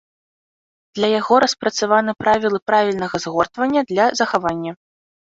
Для яго распрацаваны правілы правільнага згортвання для захавання.